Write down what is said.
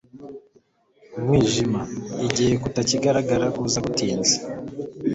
UMWIJIMA igihe kutakigaragara kuza gutinze